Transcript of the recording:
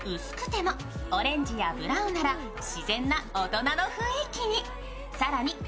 薄くてもオレンジやブラウンなら自然な大人の雰囲気に。